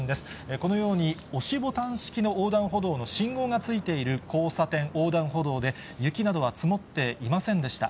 このように、押しボタン式の横断歩道の信号がついている交差点、横断歩道で、雪などは積もっていませんでした。